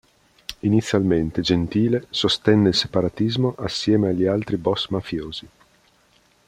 Inizialmente Gentile sostenne il separatismo assieme agli altri boss mafiosi.